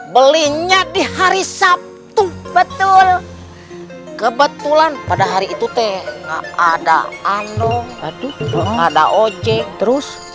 belinya di hari sabtu betul kebetulan pada hari itu teh ada ojek terus